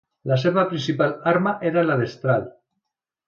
La seva principal arma era la destral.